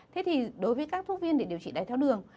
thế thì đối với các thuốc viên để điều trị đáy tháo đường